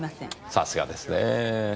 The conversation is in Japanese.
さすがですねぇ。